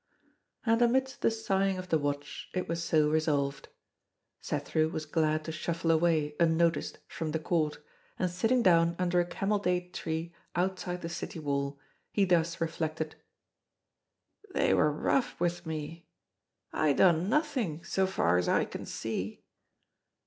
And amidst the sighing of the Watch, it was so resolved. Cethru was glad to shuffle away, unnoticed, from the Court, and sitting down under a camel date tree outside the City Wall, he thus reflected: "They were rough with me! I done nothin', so far's I can see!"